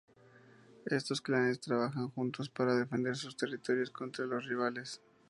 Estos clanes trabajan juntos para defender sus territorios contra los rivales.